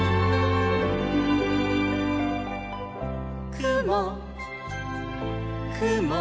「くもくも」